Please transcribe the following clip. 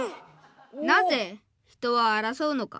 なぜ人は争うのか」。